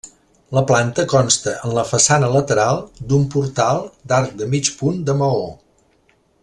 La planta consta en la façana lateral d'un portal d'arc de mig punt de maó.